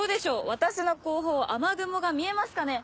私の後方雨雲が見えますかね？